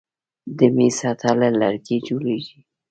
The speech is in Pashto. د میز سطحه له لرګي جوړیږي.